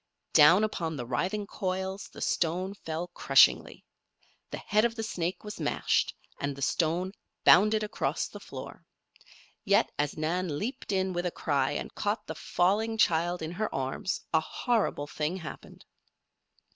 Down upon the writhing coils the stone fell crushingly. The head of the snake was mashed, and the stone bounded across the floor. Yet, as Nan leaped in with a cry and caught the falling child in her arms, a horrible thing happened.